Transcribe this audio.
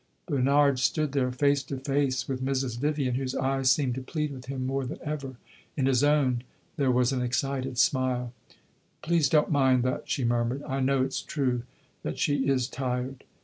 Bernard stood there face to face with Mrs. Vivian, whose eyes seemed to plead with him more than ever. In his own there was an excited smile. "Please don't mind that," she murmured. "I know it 's true that she is tired."